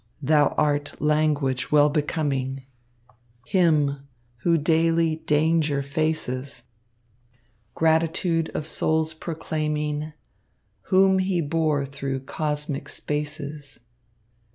Thou art language well becoming Him who daily danger faces, Gratitude of souls proclaiming, Whom he bore through cosmic spaces.